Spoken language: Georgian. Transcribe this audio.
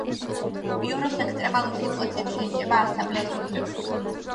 ბიუროს ექსტრემალურ სიტუაციებში ენიჭება ასამბლეის უფლებები.